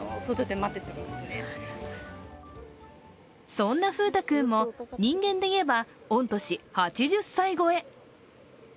そんな風太君も人間でいえば、御年８０歳超え。